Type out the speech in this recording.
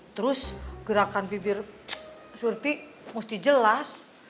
terus gerakan bibir surti mesti jelas